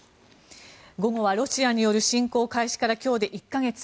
午後は、ロシアによる侵攻開始から今日で１か月。